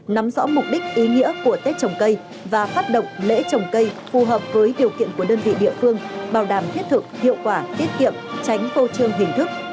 nắm rõ mục đích ý nghĩa của tết trồng cây và phát động lễ trồng cây phù hợp với điều kiện của đơn vị địa phương bảo đảm thiết thực hiệu quả tiết kiệm tránh phô trương hình thức